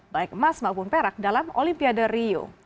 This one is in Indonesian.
baik emas maupun perak dalam olimpiade rio